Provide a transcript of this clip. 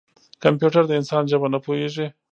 کمپیوټر د انسان ژبه نه پوهېږي.